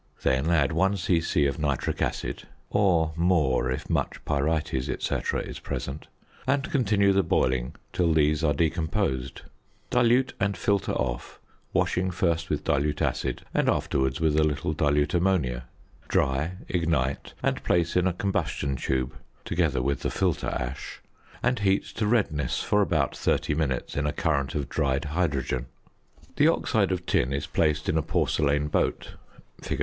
Then add 1 c.c. of nitric acid (or more if much pyrites, &c., is present) and continue the boiling till these are decomposed; dilute and filter off, washing first with dilute acid and afterwards with a little dilute ammonia, dry, ignite, and place in a combustion tube (together with the filter ash) and heat to redness for about thirty minutes in a current of dried hydrogen. [Illustration: FIG. 58.] The oxide of tin is placed in a porcelain boat (fig.